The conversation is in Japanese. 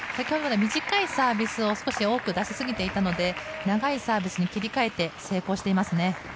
短いサービスを今まで多く出しすぎていたので、長いサービスに切り替えて成功していますね。